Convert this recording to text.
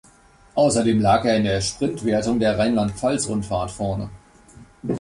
Außerdem lag er in der Sprintwertung der Rheinland-Pfalz-Rundfahrt vorne.